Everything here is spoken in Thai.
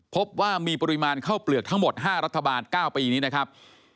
พบว่ามีปริมาณข้าวเปลือกทั้งหมด๕รัฐบาล๙ปีนี้นะครับ